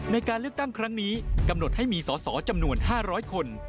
ในการเลือกตั้งครั้งนี้กำหนดให้มีสอสอจำนวน๕๐๐คน